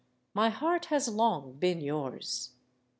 My Heart has long been yours."